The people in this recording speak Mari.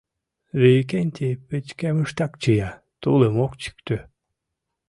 Викентий пычкемыштак чия, тулым ок чӱктӧ.